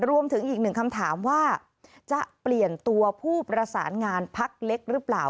รวมถึงอีกหนึ่งคำถามว่าจะเปลี่ยนตัวผู้ประสานงานพักเล็กหรือเปล่า